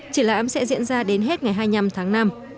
triển lãm sẽ diễn ra đến hết ngày hai mươi năm tháng năm